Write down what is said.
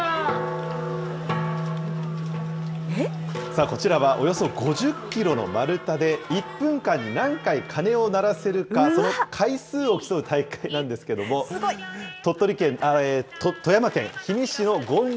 さあ、こちらはおよそ５０キロの丸太で、１分間に何回鐘を鳴らせるか、その回数を競う大会なんですけれどすごい。